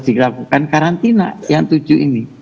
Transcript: dilakukan karantina yang tujuh ini